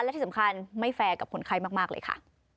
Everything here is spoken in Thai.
และที่สำคัญไม่แฟร์กับคนไข้มากเลยค่ะ